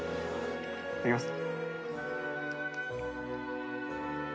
いただきます。